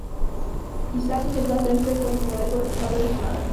Ishaq intentó hacerse con el poder con el respaldo de su madre.